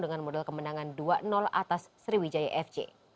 dengan modal kemenangan dua atas sriwijaya fc